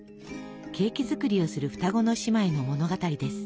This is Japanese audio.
ケーキ作りをする双子の姉妹の物語です。